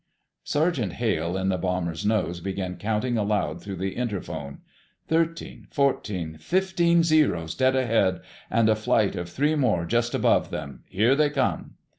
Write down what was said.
Sergeant Hale in the bomber's nose began counting aloud through the interphone. "—thirteen—fourteen—fifteen Zeros dead ahead, and a flight of three more just above them. Here they come!"